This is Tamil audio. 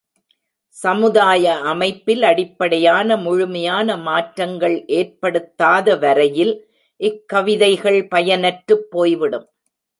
சமுதாய அமைப்பில் அடிப்படையான முழுமையான மாற்றங்கள் ஏற்படுத்தாத வரையில் இக்கவிதைகள் பயனற்றுப் போய்விடும்.